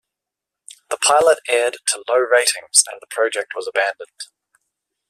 The pilot aired to low ratings and the project was abandoned.